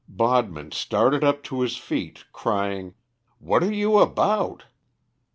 Bodman started up to his feet, crying, "What are you about?"